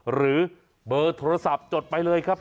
หรือเบอร์โทรศัพท์จดไปเลยครับ